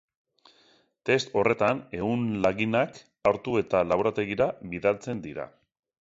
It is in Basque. Test horretan, ehun-laginak hartu eta laborategira bidaltzen dira.